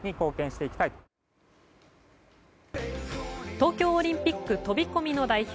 東京オリンピック飛込の代表